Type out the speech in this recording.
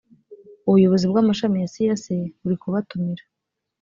ubuyobozi bwamashami yasiyase burikubatumira